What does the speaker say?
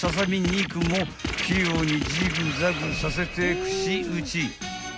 肉も器用にジグザグさせて串打ち］